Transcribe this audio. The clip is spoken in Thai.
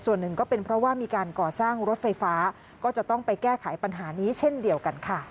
ส่วนหนึ่งก็เป็นเพราะว่ามีการก่อสร้างรถไฟฟ้าก็จะต้องไปแก้ไขปัญหานี้เช่นเดียวกันค่ะ